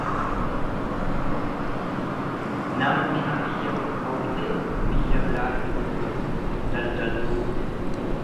nama mi'a biyya tokkoo bitee biyya biraatti gurguru, daldaltuu.